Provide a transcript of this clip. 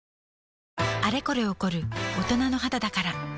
あれこれ起こる大人の肌だから